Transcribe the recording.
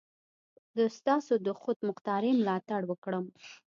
د ستاسو د خودمختاري ملاتړ وکړم.